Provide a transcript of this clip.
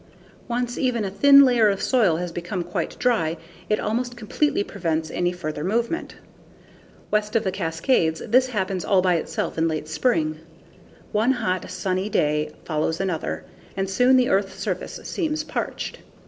Once even a thin layer of soil has become quite dry it almost completely prevents any further movement. West of the Cascades, this happens all by itself in late spring. One hot, sunny day follows another, and soon the earth's surface seems parched.